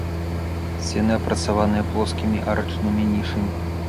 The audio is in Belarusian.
Сцены апрацаваныя плоскімі арачнымі нішамі.